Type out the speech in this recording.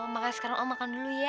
makan sekarang om makan dulu ya